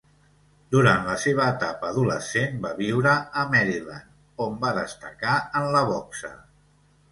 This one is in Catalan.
Durant la seva etapa adolescent va viure a Maryland, on va destacar en la boxa.